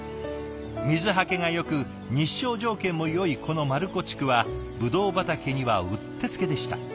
水はけがよく日照条件もよいこの丸子地区はブドウ畑にはうってつけでした。